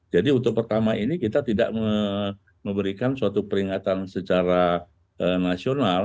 jadi untuk pertama ini kita tidak memberikan suatu peringatan secara nasional